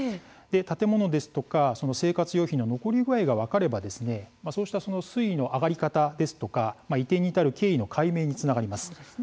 建物とか生活用品の残り具合が分かればそうした水位の上がり方とか移転に至る経緯の解明につながります。